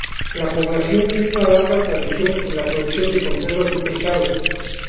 La población tiene una larga tradición en la producción de conservas de pescado.